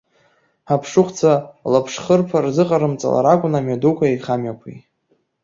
Аԥшыхәцәа лаԥшхырԥа рзыҟарымҵалар акәын амҩадуқәеи аихамҩақәеи.